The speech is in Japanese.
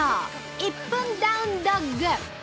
「１分ダウンドッグ」！